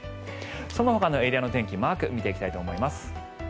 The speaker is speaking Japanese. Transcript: そのほかのエリアの天気マーク見ていきたいと思います。